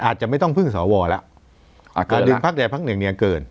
อาจจะไม่ต้องพึ่งสอวอล่ะอ่าเกินแล้วดึงพักแดดพักหนึ่งเนี่ยเกิน